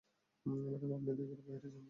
Madam, আপনি দয়া করে বাহিরে যাবেন প্লিজ?